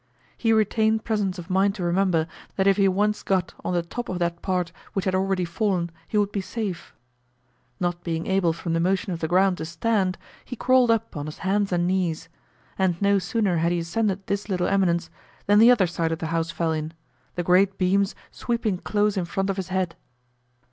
He retained presence of mind to remember, that if he once got on the top of that part which had already fallen, he would be safe. Not being able from the motion of the ground to stand, he crawled up on his hands and knees; and no sooner had he ascended this little eminence, than the other side of the house fell in, the great beams sweeping close in front of his head.